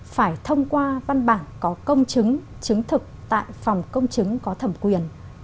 phải thông qua văn bản có công chứng chứng thực tại phòng công chứng có thẩm quyền